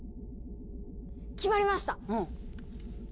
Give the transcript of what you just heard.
決まりました！せの！